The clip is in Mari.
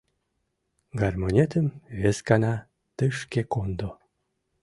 — Гармонетым вескана тышке кондо.